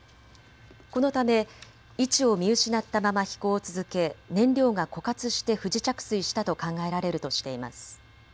このため位置を見失ったまま飛行を続け燃料が枯渇して不時着水したと考えられるとしています。